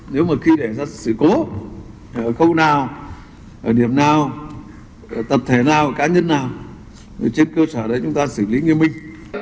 nếu mà khi để ra sự cố ở khâu nào ở điểm nào tập thể nào cá nhân nào trên cơ sở đấy chúng ta xử lý nghiêm minh